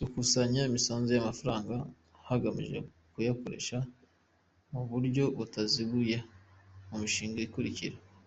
Gukusanya imisanzu, amafaranga hagamijwe kuyakoresha muburyo butaziguye mumishinga ikurikira: